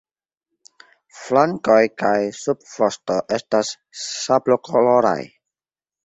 Flankoj kaj subvosto estas sablokoloraj.